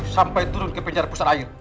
sampai turun ke penjara pusat air